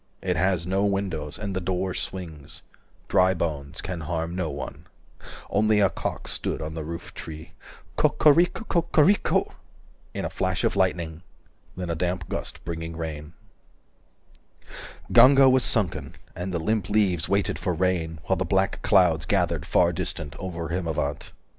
It has no windows, and the door swings, Dry bones can harm no one. 390 Only a cock stood on the roof tree Co co rico co co rico In a flash of lightning. Then a damp gust Bringing rain Ganga was sunken, and the limp leaves 395 Waited for rain, while the black clouds Gathered far distant, over Himavant.